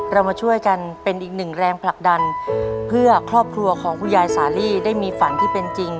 เรามาช่วยกันเป็นอีกหนึ่งแรงผลักดันเพื่อครอบครัวของคุณยายสาลีได้มีฝันที่เป็นจริง